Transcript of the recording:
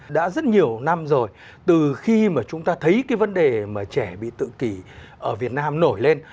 đã rất nhiều năm rồi từ khi mà chúng ta thấy cái vấn đề mà trẻ bị tự kỷ ở việt nam nổi lên